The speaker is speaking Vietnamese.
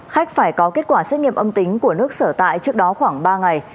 khách phải có kết quả xét nghiệm âm tính của nước sở tại trước đó khoảng ba ngày